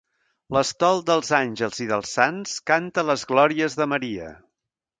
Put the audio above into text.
L'estol dels àngels i dels sants canta les glòries de Maria.